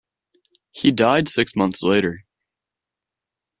He died six months later.